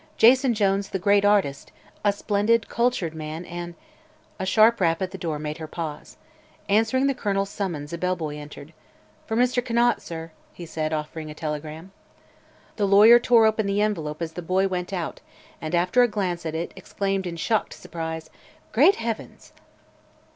Jason Jones, the great artist a splendid, cultured man and " A sharp rap at the door made her pause. Answering the Colonel's summons a bellboy entered. "For Mr. Conant, sir," he said, offering a telegram. The lawyer tore open the envelope as the boy went out and after a glance at it exclaimed in shocked surprise: "Great heavens!"